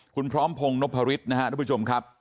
คุณพร้อมพงษ์นพอริษฐ์นะครับท่านผู้ชมครับ